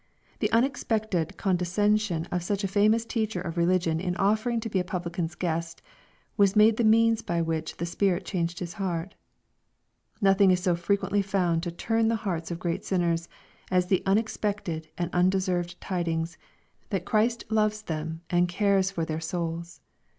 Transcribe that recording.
The unexpected condescension of such a famous teacher of religion in offering to be a publican's guest, was made the means by which the Spirit changed his heart Nothing is so frequently found to turn the hearts of great sinners, as the unexpected and unde served tidings, that Christ loves them and cares for their souls.